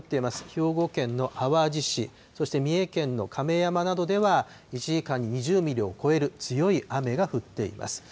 兵庫県の淡路市、そして三重県の亀山などでは、１時間に２０ミリを超える強い雨が降っています。